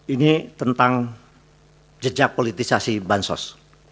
ini tentang jejak politisasi bansos